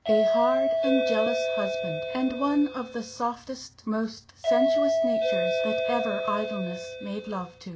A hard and jealous husband, and one of the softest, most sensuous natures that ever idleness made love to.